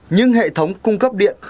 nhưng hệ thống cung cấp điện